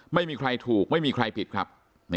ไม่มีใครถูกไม่มีใครผิดครับ